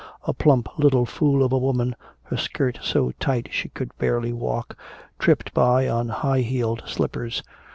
A plump little fool of a woman, her skirt so tight she could barely walk, tripped by on high heeled slippers.